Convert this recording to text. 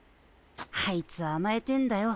あいつあまえてんだよ。